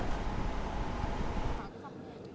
tuyến đường bê tông